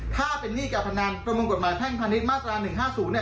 ถ้าเป็นหนี้การพนานประมวงกฎหมายแท่งพาณิชย์มาตราหนึ่งห้าศูนย์เนี่ย